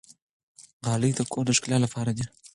غالۍ د کور د ښکلا لپاره دي.